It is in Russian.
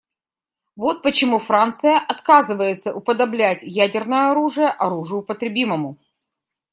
Вот почему Франция отказывается уподоблять ядерное оружие оружию употребимому.